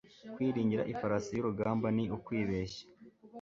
Kwiringira ifarasi y’urugamba ni ukwibeshya